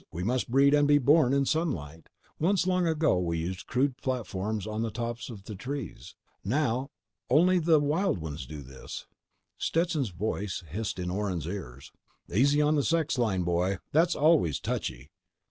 We must breed and be born in sunlight. Once—long ago—we used crude platforms on the tops of the trees. Now ... only the ... wild ones do this." Stetson's voice hissed in Orne's ears: _"Easy on the sex line, boy. That's always touchy.